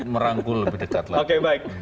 merangkul lebih dekat lagi